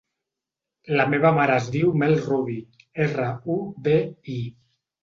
La meva mare es diu Mel Rubi: erra, u, be, i.